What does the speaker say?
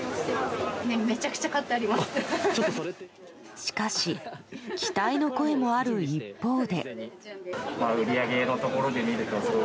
しかし期待の声もある一方で。